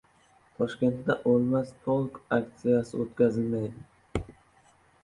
Toshkentda “O‘lmas polk” aktsiyasi o‘tkazilmaydi